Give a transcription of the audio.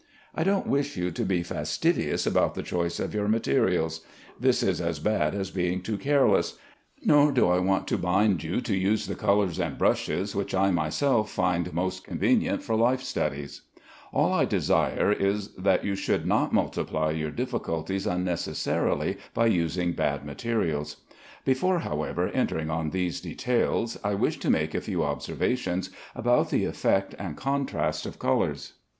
I don't wish you to be fastidious about the choice of your materials. This is as bad as being too careless; nor do I want to bind you to use the colors and brushes which I myself find most convenient for life studies. All I desire is that you should not multiply your difficulties unnecessarily by using bad materials. Before, however, entering on these details, I wish to make a few observations about the effect and contrast of colors.